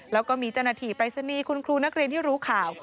แล้วก็มีเจ้าหน้าที่ปรายศนีย์คุณครูนักเรียนที่รู้ข่าว